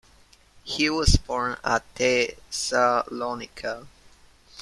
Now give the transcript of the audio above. He was born at Thessalonica.